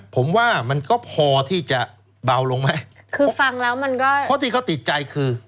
ผมว่ามันก็พอที่จะเบาลงไหมคือฟังแล้วมันก็เพราะที่เขาติดใจคือ